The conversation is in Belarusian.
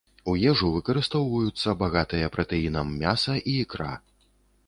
У ежу выкарыстоўваюцца багатыя пратэінам мяса і ікра.